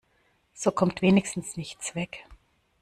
So kommt wenigstens nichts weg.